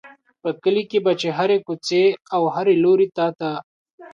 په کلي کې به چې هرې کوڅې او هر لوري ته ته.